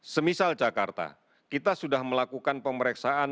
semisal jakarta kita sudah melakukan pemeriksaan tujuh belas sembilan ratus orang